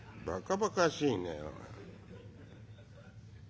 「ばかばかしいね」。